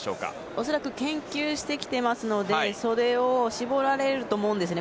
恐らく研究してきていますのでそれを絞られると思うんですよね